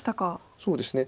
そうですね。